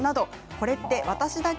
これって私だけ？